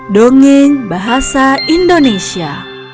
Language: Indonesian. dongeng bahasa indonesia